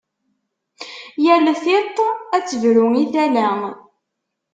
Yal tiṭ ad tebru i tala.